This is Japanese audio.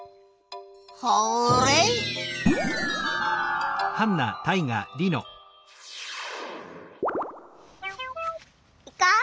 ホーレイ！いこう！